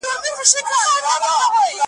په هر ښار کي به تاوده وي لنګرونه ,